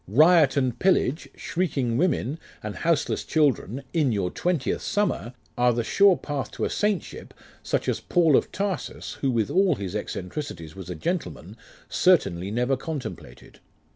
Riot and pillage, shrieking women and houseless children in your twentieth summer, are the sure path to a Saint ship, such as Paul of Tarsus, who, with all his eccentricities, was a gentleman, certainly never contemplated.